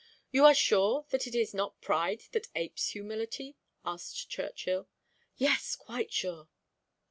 "You are sure that it is not pride that apes humility?" asked Churchill. "Yes, quite sure!"